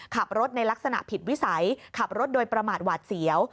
ขับรถในลักษณะผิดวิสัยขับรถโดยประมาทหวาดเสียว